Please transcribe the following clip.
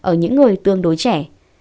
ở những người tương đối trẻ